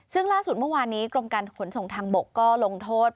ซึ่งล่าสุดเมื่อวานนี้กรมการขนส่งทางบกก็ลงโทษ